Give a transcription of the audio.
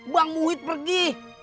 bang muhid pergi